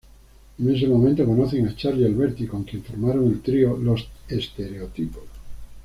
En ese momento conocen a Charly Alberti con quien formaron el trío "Los Estereotipos".